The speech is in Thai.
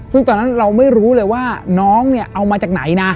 ซึ่งตอนนั้นเราไม่รู้เลยว่าน้องเนี่ยเอามาจากไหนนะ